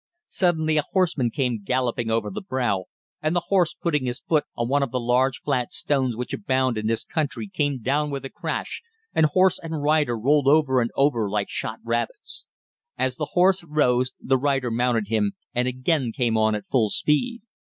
Suddenly a horseman came galloping over the brow, and the horse putting his foot on one of the large flat stones which abound in this country came down with a crash and horse and rider rolled over and over like shot rabbits. As the horse rose the rider mounted him and again came on at full speed.